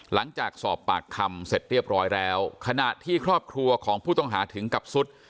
หลังจากสอบปากคำเสร็จเรียบร้อยแล้วขณะที่ครอบครัวของผู้ต้องหาถึงกับสุด